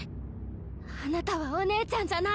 あなたはお姉ちゃんじゃない。